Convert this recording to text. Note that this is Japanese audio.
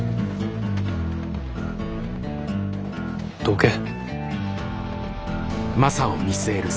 どけ。